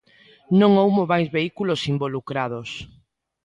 Non houbo máis vehículos involucrados.